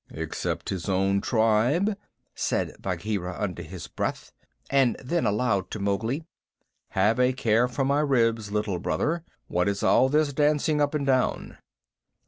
"Except his own tribe," said Bagheera, under his breath; and then aloud to Mowgli, "Have a care for my ribs, Little Brother! What is all this dancing up and down?"